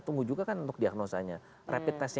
tunggu juga kan untuk diagnosanya rapid testnya